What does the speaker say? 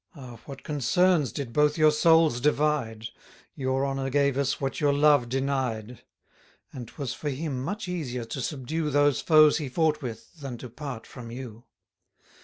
Ah, what concerns did both your souls divide! Your honour gave us what your love denied: 10 And 'twas for him much easier to subdue Those foes he fought with, than to part from you.